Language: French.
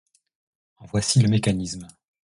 En voici le mécanisme.